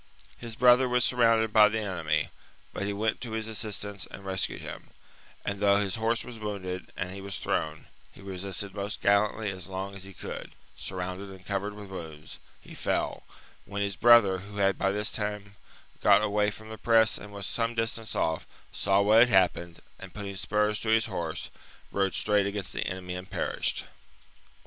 His brother was surrounded by the enemy, but he went to his assistance and rescued him, and though his horse was wounded, and he was thrown, he resisted most gallantly as long as he could : surrounded and covered with wounds, he fell, when his brother, who had by this time got away from the press and was some distance off, saw what had happened, and putting spurs to his horse, rode straight against the enemy and perished.